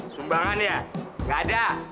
sumbangan ya gak ada